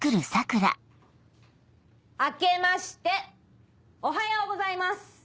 あけましておはようございます！